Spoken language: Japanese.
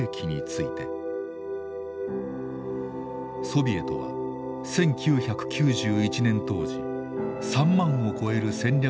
ソビエトは１９９１年当時３万を超える戦略